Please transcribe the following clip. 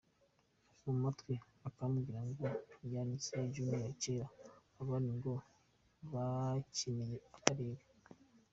mu matwi akambwira ngo yakiniye Junior kera, abandi ngo bakiniye akarere,.